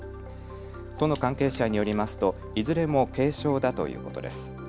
都の関係者によりますといずれも軽症だということです。